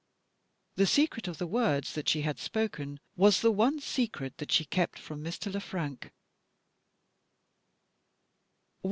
The secret of the words that she had spoken, was the one secret that she kept from Mr. Le Frank.